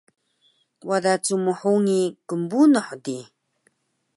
wada cmhungi knbunuh di